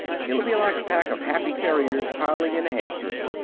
It'll be like a pack of happy terriers pilin' into hamsters.